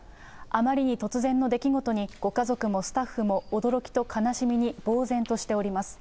あまりに突然の出来事に、ご家族もスタッフも、驚きと悲しみにぼう然としております。